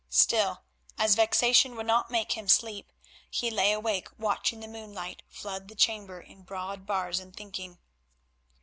Still, as vexation would not make him sleep, he lay awake watching the moonlight flood the chamber in broad bars and thinking.